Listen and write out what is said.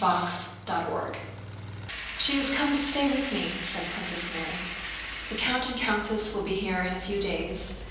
CHAPTER XVI "She has come to stay with me," said Princess Mary. "The count and countess will be here in a few days.